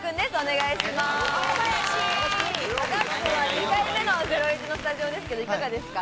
２回目の『ゼロイチ』のスタジオですが、いかがですか？